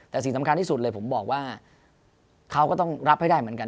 แต่สิ่งสำคัญที่สุดเลยผมบอกว่าเขาก็ต้องรับให้ได้เหมือนกัน